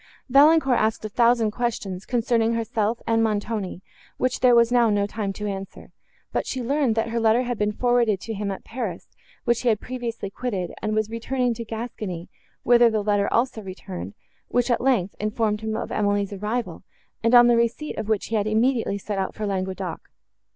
Valancourt asked a thousand questions, concerning herself and Montoni, which there was now no time to answer; but she learned, that her letter had been forwarded to him, at Paris, which he had previously quitted, and was returning to Gascony, whither the letter also returned, which, at length, informed him of Emily's arrival, and on the receipt of which he had immediately set out for Languedoc.